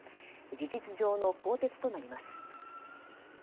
事実上の更迭となります。